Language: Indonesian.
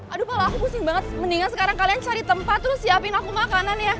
aduh pala aku pusing banget mendingan sekarang kalian cari tempat terus siapin aku gak ke kanan ya